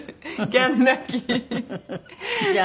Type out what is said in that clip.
ギャン泣き。